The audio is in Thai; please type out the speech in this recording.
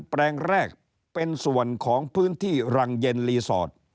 แปลงแรกเป็นส่วนของพื้นที่รังเย็นรีสอร์ท